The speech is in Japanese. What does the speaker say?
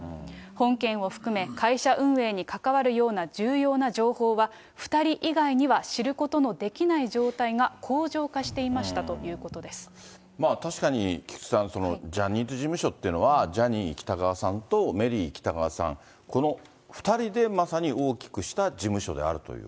本件を含め、会社運営に関わるような重要な情報は、２人以外には知ることのできない状態が恒常化していましたというまあ、確かに菊池さん、ジャニーズ事務所っていうのは、ジャニー喜多川さんとメリー喜多川さん、この２人でまさに大きくした事務所であるという。